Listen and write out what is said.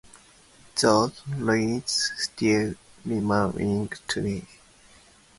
These ruins still remain today.